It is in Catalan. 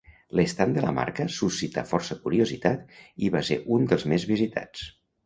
L'estand de la marca suscità força curiositat i va ser un dels més visitats.